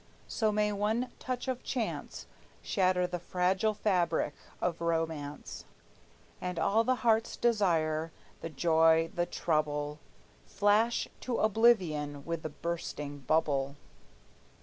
So may one touch of chance Shatter the fragile fabric of romance, And all the heart's desire, the joy, the trouble, Flash to oblivion with the bursting bubble!